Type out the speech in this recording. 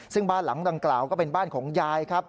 ซึ่งบ้านหลังดังกล่าวก็เป็นบ้านของยายครับ